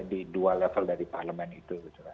di dua level dari parlemen itu